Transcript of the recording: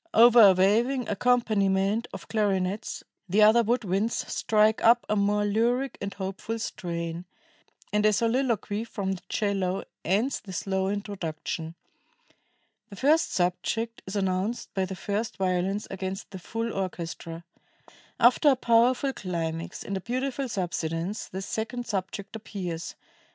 Over a waving accompaniment of clarinets, the other wood winds strike up a more lyric and hopeful strain, and a soliloquy from the 'cello ends the slow introduction. The first subject is announced by the first violins against the full orchestra.... After a powerful climax and a beautiful subsidence, ... the second subject appears